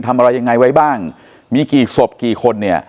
ทำอะไรยังไงไว้บ้างมีกี่ศพกี่คนเนี่ย